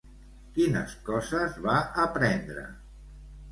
Quines coses va aprendre?